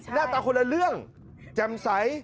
หน้าตาคนละเรื่องแจ่มใส